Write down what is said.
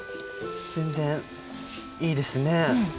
全然いいですね。